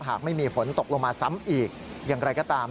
หากไม่มีฝนตกลงมาซ้ำอีกอย่างไรก็ตาม